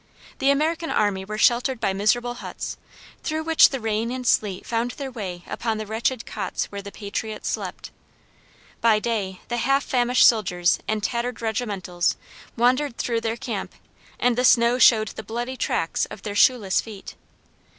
The American army were sheltered by miserable huts, through which the rain and sleet found their way upon the wretched cots where the patriots slept. By day the half famished soldiers in tattered regimentals wandered through their camp, and the snow showed the bloody tracks of their shoeless feet.